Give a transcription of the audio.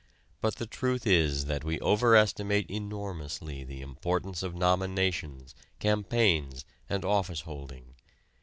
But the truth is that we overestimate enormously the importance of nominations, campaigns, and office holding.